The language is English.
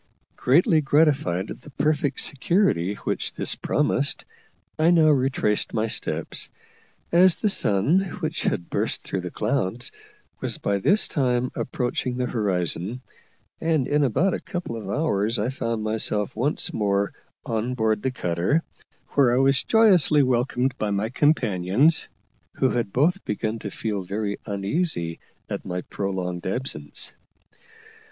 Greatly gratified at the perfect security which this promised, I now retraced my steps, as the sun, which had burst through the clouds, was by this time approaching the horizon; and in about a couple of hours I found myself once more on board the cutter, where I was joyously welcomed by my companions, who had both begun to feel very uneasy at my prolonged absence.